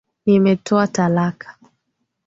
nimetoa talaka